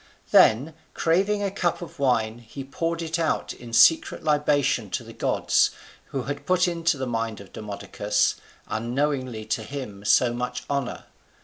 Then craving a cup of wine, he poured it out in secret libation to the gods, who had put into the mind of Demodocus unknowingly to do him so much honour.